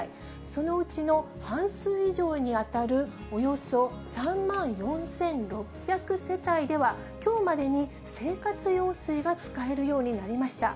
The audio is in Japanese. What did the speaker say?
そのうちの半数以上に当たる、およそ３万４６００世帯では、きょうまでに生活用水が使えるようになりました。